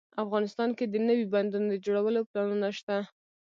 افغانستان کې د نوي بندونو د جوړولو پلانونه شته